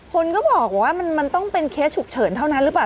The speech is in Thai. คนก็บอกว่ามันต้องเป็นเคสฉุกเฉินเท่านั้นหรือเปล่า